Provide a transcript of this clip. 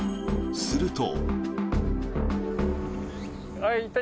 すると。